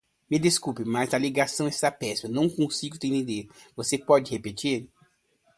Me desculpe, mas a ligação está péssima, não consigo te entender. Você pode repetir.